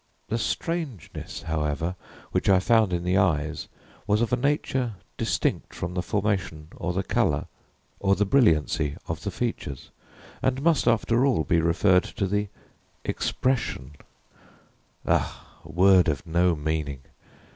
The "strangeness," however, which I found in the eyes was of a nature distinct from the formation, or the color, or the brilliancy of the features, and must, after all, be referred to the expression. Ah, word of no meaning!